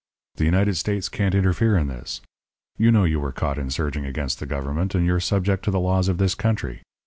The United States can't interfere in this. You know you were caught insurging against the government, and you're subject to the laws of this country.